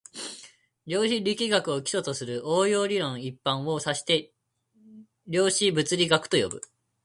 量子力学を基礎とする応用理論一般を指して量子物理学と呼ぶ